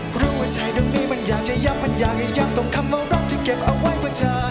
เพราะว่าชายตรงนี้มันอยากจะย้ำมันอยากจะยับตรงคำว่ารักที่เก็บเอาไว้เพื่อชาติ